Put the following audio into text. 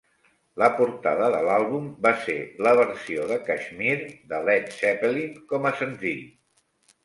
La portada de l'àlbum va ser la versió de "Kashmir" de Led Zeppelin com a senzill.